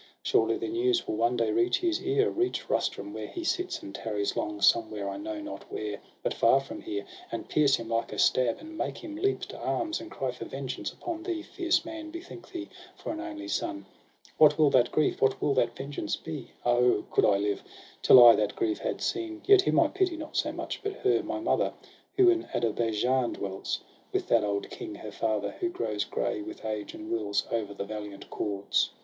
Surely the news will one day reach his ear, Reach Rustum, where he sits, and tarries long. Somewhere, I know not where, but far from here ; And pierce him like a stab, and make him leap To arms, and cry for vengeance upon thee. Fierce man, bethink thee, for an only son ! What will that grief, what will that vengeance be? SOHRAB AND RUSTUM. 109 Oh, could I live, till I that grief had seen ! Yet him I pity not so much, but her, JNIy mother, who in Ader baijan dwells With that old king, her father, who grows grey With age, and rules over the valiant Koords.